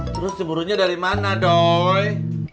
terus si burunya dari mana doi